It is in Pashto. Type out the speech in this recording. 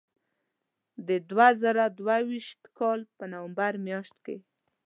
د دوه زره دوه ویشت کال په نومبر میاشت کې.